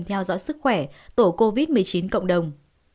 theo dõi sức khỏe tổ covid một mươi chín cộng đồng